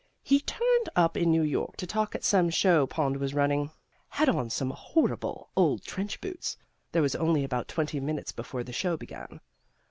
He turned up in New York to talk at some show Pond was running. Had on some horrible old trench boots. There was only about twenty minutes before the show began.